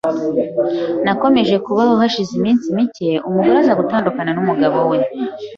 Nakomeje kuba aho hashize iminsi mike umugore aza gutandukana n’umugabo we